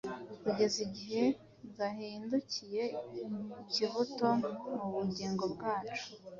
kugeza igihe gahindukiye ikibuto mu bugingo bwacu.